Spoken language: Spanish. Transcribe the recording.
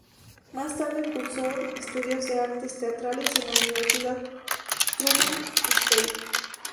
Más tarde cursó estudios de Artes Teatrales en la Universidad Truman State.